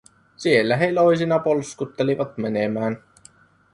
Siellä he iloisina polskuttelivat menemään.